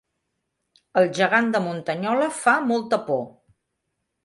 El gegant de Muntanyola fa molta por